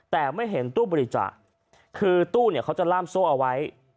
แต่ไม่เห็นตู้บริจาคคือตู้เนี่ยเขาจะล่ามโซ่เอาไว้